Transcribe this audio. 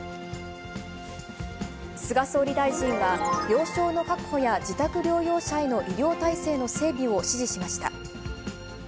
菅総理大臣は、病床の確保や自宅療養者への医療体制の整備を指示しました。